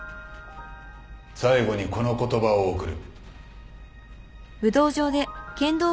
最後にこの言葉を贈る。